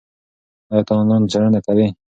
ایا ته آنلاین څېړنه کوې؟